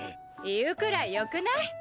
言うくらいよくない？